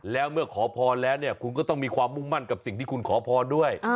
แล้วเมื่อขอพรแล้วเนี่ยคุณก็ต้องมีความมุ่งมั่นกับสิ่งที่คุณขอพรด้วย